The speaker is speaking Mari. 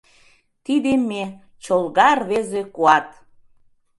Тиде ме — чолга рвезе куат!